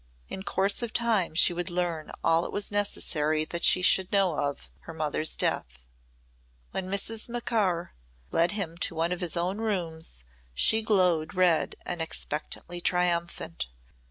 In course of time she would learn all it was necessary that she should know of her mother's death. When Mrs. Macaur led him to one of his own rooms she glowed red and expectantly triumphant.